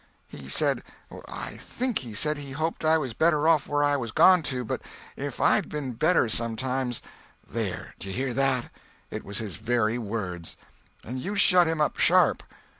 "He said—I think he said he hoped I was better off where I was gone to, but if I'd been better sometimes—" "There, d'you hear that! It was his very words!" "And you shut him up sharp."